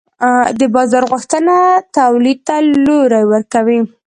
د بازار غوښتنه تولید ته لوری ورکوي.